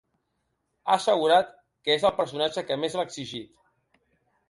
Ha assegurat que és el personatge que més l’ha exigit.